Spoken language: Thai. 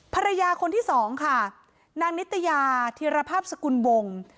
ภรรยาคนที่สองค่ะนางนิตยาธิรภาพสกุลวง